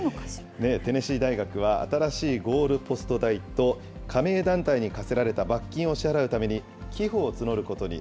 テネシー大学は新しいゴールポスト代と、加盟団体にかせられた罰金を支払うために、寄付を募ることに。